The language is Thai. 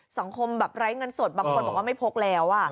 สังคมแบบไร้เงินสดบางคนบอกว่าไม่พกแล้ว